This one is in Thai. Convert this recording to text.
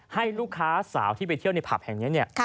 ให้ลูกค้าสาวที่ไปเที่ยวในผับแห่งนี้เนี่ย